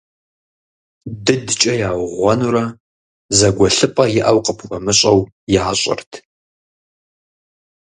ДыдкӀэ яугъуэнурэ, зэгуэлъыпӀэ иӀэу къыпхуэмыщӀэну, ящӀырт.